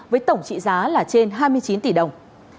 với tổng trị giá là trên hai mươi chín tỷ đồng